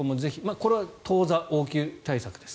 これは当座、応急対策です。